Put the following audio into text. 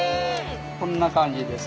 こんな感じです。